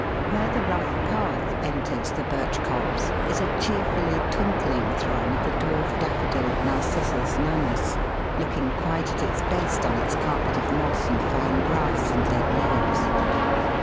Where the rough path enters the birch copse is a cheerfully twinkling throng of the Dwarf Daffodil (N. nanus), looking quite at its best on its carpet of moss and fine grass and dead leaves.